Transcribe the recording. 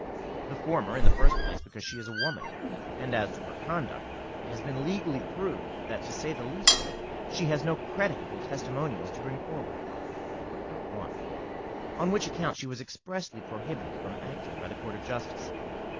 The former, in the first place, because she is a woman; and as to her conduct, it has been legally proved that, to say the least of it, she has no creditable testimonials to bring forward, on which account she was expressly prohibited from acting by the Court of Justice.